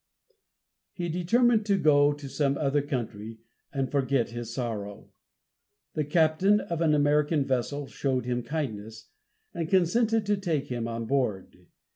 He determined to go to some other country, and forget his sorrow. The captain of an American vessel showed him kindness, and consented to take him on board.